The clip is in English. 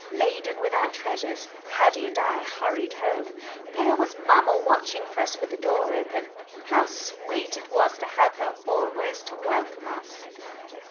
Laden with our treasures Haddie and I hurried home. There was mamma watching for us with the door open. How sweet it was to have her always to welcome us!